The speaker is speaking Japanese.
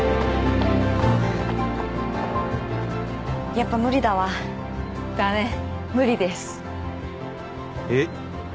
やっぱ無理だわだね無理ですえっ？